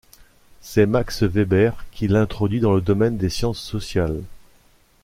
C'est Max Weber qui l'introduit dans le domaine des sciences sociales.